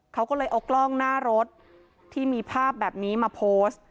เขาก็เลยเอากล้องหน้ารถที่มีภาพแบบนี้มาโพสต์